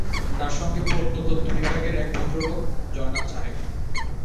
তাঁর সঙ্গে প্রত্নতও্ব বিভাগের এক ভদ্রলোক, জয়নাল সাহেব।